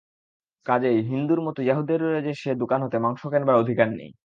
কাজেই হিঁদুর মত য়াহুদীদেরও যে-সে দোকান হতে মাংস কেনবার অধিকার নেই।